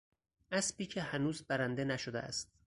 اسبی که هنوز برنده نشده است